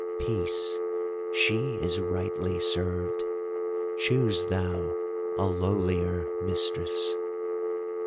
Peace, she is rightly served—choose thou a lowlier mistress!